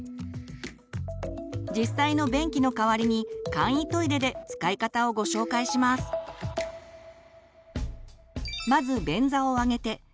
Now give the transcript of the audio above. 実際の便器の代わりに簡易トイレで使い方をご紹介します。